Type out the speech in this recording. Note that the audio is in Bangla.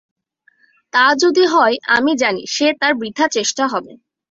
তা যদি হয় আমি জানি সে তাঁর বৃথা চেষ্টা হবে।